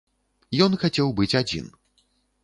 Ён хацеў быць адзін.